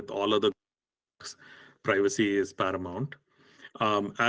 jadi dari titik yang anda tanda